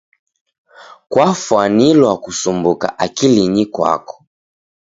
Kwafwanilwa kusumbuka akilinyi kwako.